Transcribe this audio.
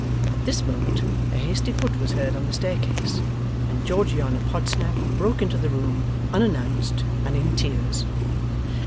At this moment a hasty foot was heard on the staircase, and Georgiana Podsnap broke into the room, unannounced and in tears.